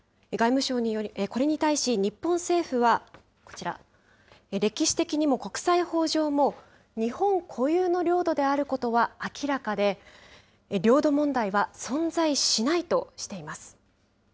これに対し、日本政府はこちら、歴史的にも国際法上も日本固有の領土であることは明らかで、領土問題は存在しないとしています。